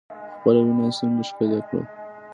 خپله وینا څنګه ښکلې کړو؟